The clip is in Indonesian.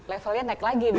levelnya naik lagi gitu ya